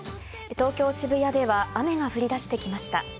東京・渋谷では雨が降り出してきました。